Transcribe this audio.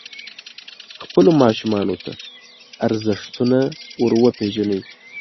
خپلو ماشومانو ته ارزښتونه وروپېژنئ.